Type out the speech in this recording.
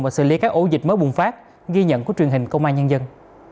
và xử lý các ổ dịch mới bùng phát ghi nhận của truyền hình công an nhân dân